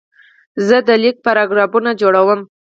زه د لیک پاراګرافونه جوړوم.